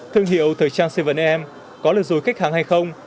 thương hiệu thời trang bảy am có lượt dối khách hàng hay không